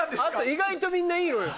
意外とみんないいのよ。